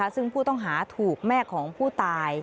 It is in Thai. ซึ่งผู้ต้องหาถูกแม่ของผู้ตาย